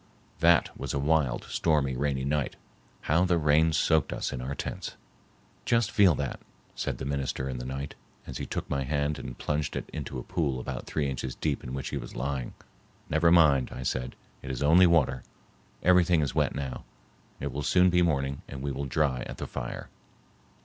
That was a wild, stormy, rainy night. How the rain soaked us in our tents! "Just feel that," said the minister in the night, as he took my hand and plunged it into a pool about three inches deep in which he was lying. "Never mind," I said, "it is only water. Everything is wet now. It will soon be morning and we will dry at the fire."